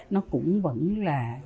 nó cũng vẫn là